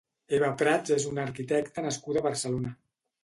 Eva Prats és una arquitecta nascuda a Barcelona.